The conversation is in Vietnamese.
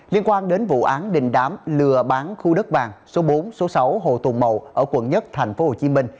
liên quan đến vụ án đình đám lừa bán khu đất vàng số bốn số sáu hồ tùng mậu ở quận một tp hcm